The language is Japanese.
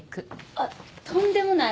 あっとんでもない。